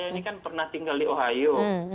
ini kan pernah tinggal di ohio